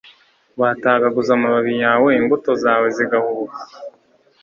watagaguza amababi yawe, imbuto zawe zigahubuka